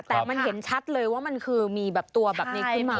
แต่มันเห็นชัดเลยว่ามันคือมีแบบตัวแบบนี้ขึ้นมา